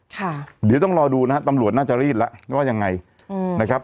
ค่ะเดี๋ยวต้องรอดูนะฮะตำรวจน่าจะรีดแล้วว่ายังไงอืมนะครับ